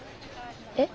えっ？